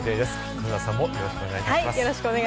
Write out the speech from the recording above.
黒田さんもよろしくお願いいたします。